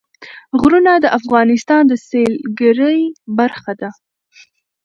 غرونه د افغانستان د سیلګرۍ برخه ده.